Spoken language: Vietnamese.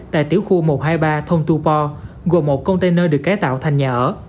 tại tiểu khu một trăm hai mươi ba thôn tu po gồm một container được cải tạo thành nhà ở